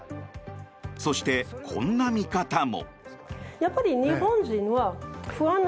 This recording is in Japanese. そしてこんな見方も。